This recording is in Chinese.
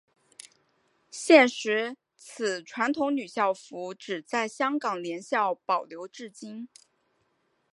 现时此传统女校服只在香港联校保留至今。